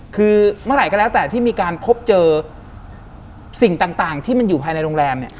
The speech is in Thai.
คือเมื่อไหร่ก็แล้วแต่ที่มีการพบเจอสิ่งต่างที่มันอยู่ภายในโรงแรมเนี่ย